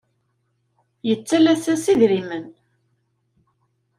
Yettalas-as idrimen.